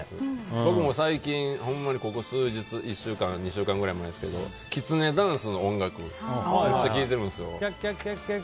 僕も最近、ほんまにここ数日１週間、２週間ぐらい前にきつねダンスの音楽をむっちゃ聴いてるんです。